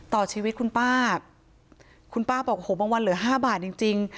ต่อชีวิตคุณป้าคุณป้าบอกโอ้โหบางวันเหลือห้าบาทจริงจริง